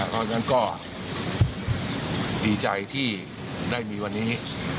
เพราะฉะนั้นก็ดีใจที่ได้มีวันนี้